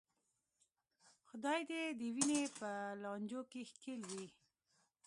خدای دې دې ویني چې لانجو کې ښکېل وې.